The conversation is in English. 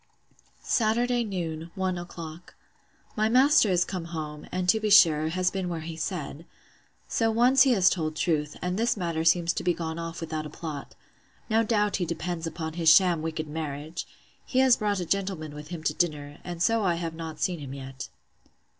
Saturday noon, one o'clock. My master is come home; and, to be sure, has been where he said. So once he has told truth; and this matter seems to be gone off without a plot: No doubt he depends upon his sham wicked marriage! He has brought a gentleman with him to dinner; and so I have not seen him yet.